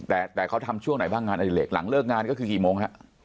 อ่ะแต่เขาทำช่วงไหนบ้างหลังเลิกงานก็คือกี่โมง